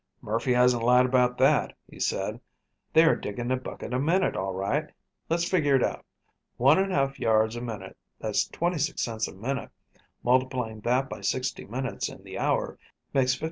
"Murphy hasn't lied about that," he said. "They are digging a bucket a minute, all right. Let's figure it out: One and one half yards a minute, that's 26 cents a minute; multiplying that by 60 minutes in the hour, makes $15.